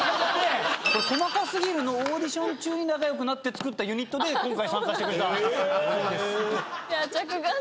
『細かすぎて』のオーディション中に仲良くなってつくったユニットで今回参加してくれたそうなんです。